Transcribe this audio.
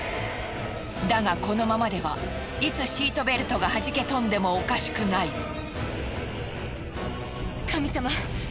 だがこのままではいつシートベルトがはじけ飛んでもおかしくない。